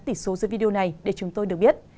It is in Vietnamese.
tỷ số dưới video này để chúng tôi được biết